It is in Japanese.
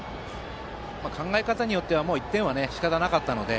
考え方によってはもう、１点はしかたなかったので。